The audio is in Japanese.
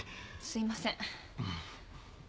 すいません。